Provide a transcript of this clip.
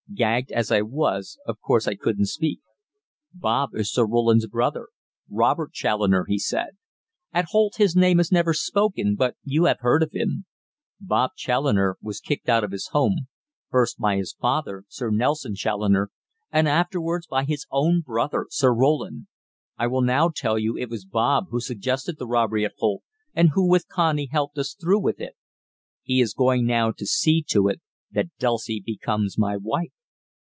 Gagged as I was, of course I couldn't speak. "Bob is Sir Roland's brother Robert Challoner," he said. "At Holt his name is never spoken, but you have heard of him. Bob Challoner was kicked out of his home, first by his father, Sir Nelson Challoner, and afterwards by his own brother, Sir Roland. I will now tell you it was Bob who suggested the robbery at Holt, and who, with Connie, helped us through with it. He is going now to see to it that Dulcie becomes my wife."